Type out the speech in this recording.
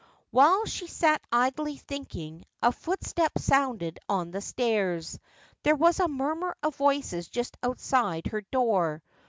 While she sat idly thinking, a footstep sounded on the stairs ; there was a murmur of voices just outside her door.